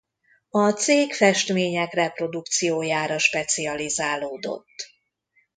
A cég festmények reprodukciójára specializálódott.